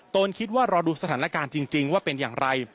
คิดว่ารอดูสถานการณ์จริงว่าเป็นอย่างไร